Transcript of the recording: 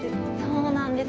そうなんです。